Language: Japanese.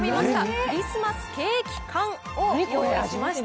クリスマスケーキ缶をご用意しました。